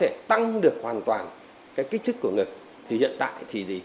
để tăng được hoàn toàn cái kích thức của ngực thì hiện tại thì gì